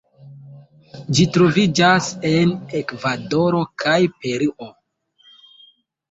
Ĝi troviĝas en Ekvadoro kaj Peruo.